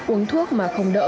uống thuốc mà không đỡ